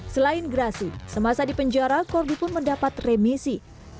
selain grasi semasa di penjara corbi pun mendapat remisi